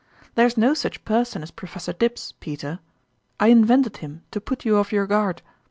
There is no such person as Professor Dibbs, Peter ; I invented him to put you off your guard.